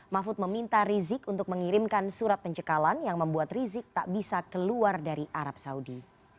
mahfud meminta rizik untuk mengirimkan surat pencekalan yang membuat rizik tak bisa keluar dari arab saudi